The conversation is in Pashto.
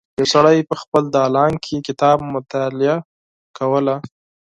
یو سړی په خپل دالان کې کتاب مطالعه کوله.